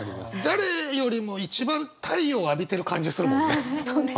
誰よりも一番太陽浴びてる感じするもんね。